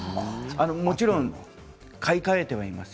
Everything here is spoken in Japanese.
もちろん買い替えてはいます。